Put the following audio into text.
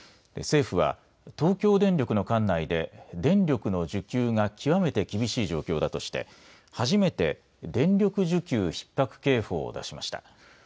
政府は東京電力の管内で電力の需給が極めて厳しい状況だとして初めて電力需給ひっ迫警報を出しました。